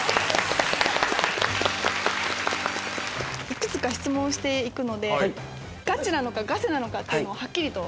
いくつか質問して行くのでガチなのかガセなのかというのをはっきりと。